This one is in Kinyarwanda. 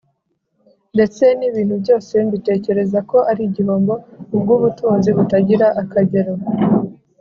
Ndetse n'ibintu byose mbitekereza ko ari igihombo ku bw'ubutunzi butagira akagero,